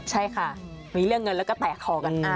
ใช่ค่ะมีเรื่องเงินแล้วก็แตะคอกัน